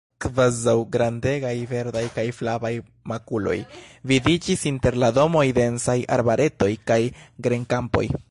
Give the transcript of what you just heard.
Kvazaŭ grandegaj verdaj kaj flavaj makuloj, vidiĝis inter la domoj densaj arbaretoj kaj grenkampoj.